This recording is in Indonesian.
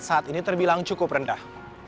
saat ini terbilang cukup rendah